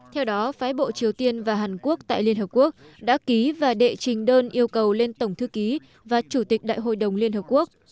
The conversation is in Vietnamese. theo đó phái bộ triều tiên và hàn quốc tại liên hợp quốc đã ký và đệ trình đơn yêu cầu lên tổng thư ký và chủ tịch đại hội đồng liên hợp quốc